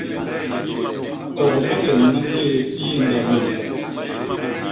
Koo maleñ ma njéé i yé ndap yoñ.